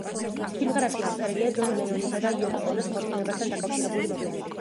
სიმღერაში აღწერილია ჯონ ლენონისა და იოკო ონოს ქორწინებასთან დაკავშირებული მოვლენები.